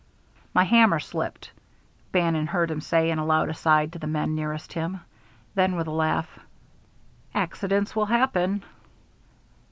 "My hammer slipped," Bannon heard him say in a loud aside to the man nearest him. Then, with a laugh: "Accidents will happen."